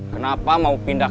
kenapa mau pindah